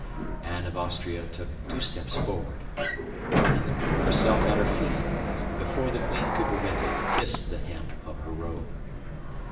Anne of Austria took two steps forward. Buckingham threw himself at her feet, and before the queen could prevent him, kissed the hem of her robe.